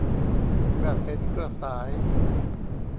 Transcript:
กระเส็นกระสาย